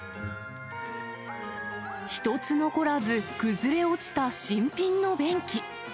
一つ残らず崩れ落ちた新品の便器。